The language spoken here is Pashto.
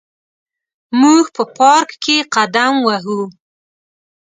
موږ په پارک کې قدم وهو.